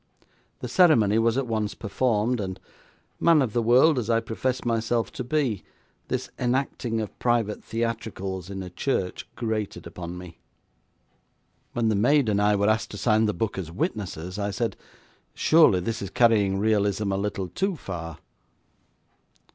The ceremony was at once performed, and, man of the world as I professed myself to be, this enacting of private theatricals in a church grated upon me. When the maid and I were asked to sign the book as witnesses, I said: 'Surely this is carrying realism a little too far?'